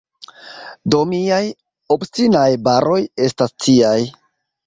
Do miaj “obstinaj baroj” estas tiaj.